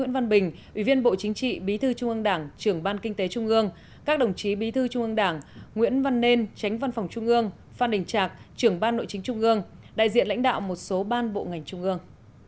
nguyễn văn bình ủy viên bộ chính trị bí thư trung ương đảng trưởng ban kinh tế trung ương các đồng chí bí thư trung ương đảng nguyễn văn nên tránh văn phòng trung ương phan đình trạc trưởng ban nội chính trung ương đại diện lãnh đạo một số ban bộ ngành trung ương